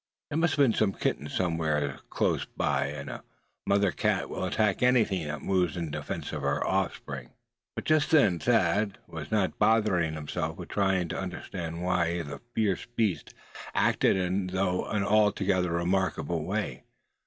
There may have been kittens somewhere close by; and a mother cat will attack anything that moves in defense of her offspring. But just then Thad was not bothering himself with trying to understand why the fierce beast acted in that altogether remarkable way.